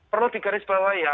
perlu digarisbawahi ya